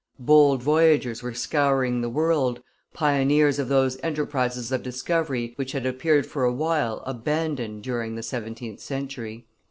Bold voyagers were scouring the world, pioneers of those enterprises of discovery which had appeared for a while abandoned during the seventeenth century.